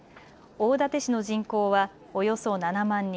大館市の人口は、およそ７万人。